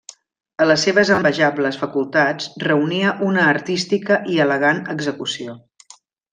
A les seves envejables facultats reunia una artística i elegant execució.